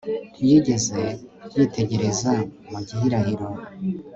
Ntiyigeze yitegereza mu gihirahiro